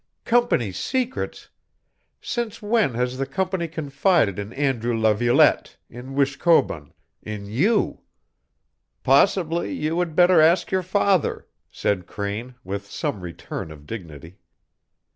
"Company's secrets! Since when has the Company confided in Andrew Laviolette, in Wishkobun, in you!" "Possibly you would better ask your father," said Crane, with some return of dignity.